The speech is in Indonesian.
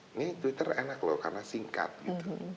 ini twitter enak loh karena singkat gitu